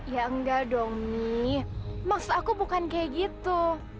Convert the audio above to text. ya nggak dong mi maksud aku bukan kayak gitu